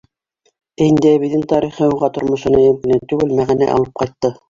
Ә инде әбейҙең тарихы уға тормошона йәм генә түгел, мәғәнә алып ҡайтты.